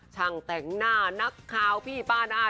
ช่างแต่งหน้านักข่าวพี่ป้าดา